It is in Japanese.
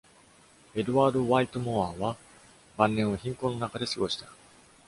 Edward Whittemore は晩年を貧困の中で過ごした。